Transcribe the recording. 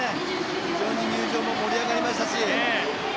非常に入場も盛り上がりましたし。